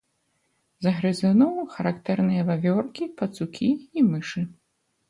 З грызуноў характэрныя вавёркі, пацукі і мышы.